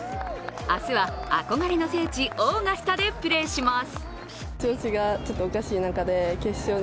明日は憧れの聖地・オーガスタでプレーします。